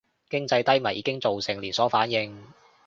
經濟低迷已經造成連鎖反應